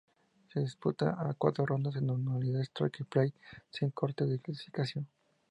Se disputa a cuatro rondas en modalidad stroke play, sin corte de clasificación.